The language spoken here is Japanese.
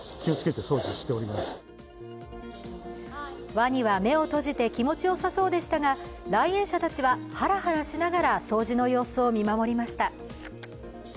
ワニは目を閉じて気持ちよさそうでしたが来園者たちは、ハラハラしながら掃除の様子を見守りました。